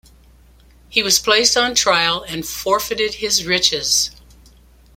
He was placed on trial and forfeited his riches.